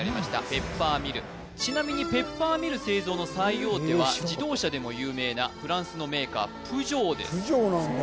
ペッパーミルちなみにペッパーミル製造の最大手はへえ知らんかった自動車でも有名なフランスのメーカープジョーですプジョーなんだ